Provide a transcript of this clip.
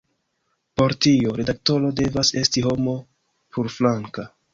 Por tio, redaktoro devas esti homo plurflanka.